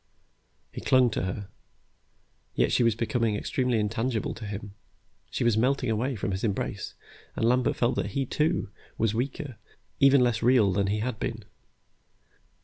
He clung to her, yet she was becoming extremely intangible to him. She was melting away from his embrace, and Lambert felt that he, too, was weaker, even less real than he had been.